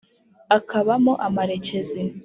akabamo amarekezi